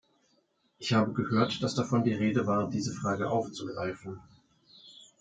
Ich habe gehört, dass davon die Rede war, diese Frage aufzugreifen.